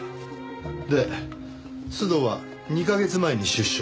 で須藤は２カ月前に出所。